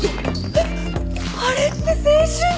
えっあれって青春じゃん！